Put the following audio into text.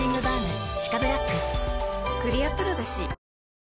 クリアプロだＣ。